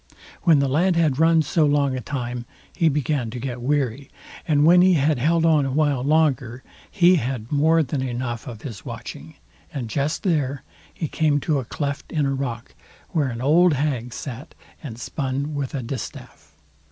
When the lad had run so a long time, he began to get weary, and when he had held on a while longer, he had more than enough of his watching, and just there, he came to a cleft in a rock, where an old hag sat and spun with a distaff.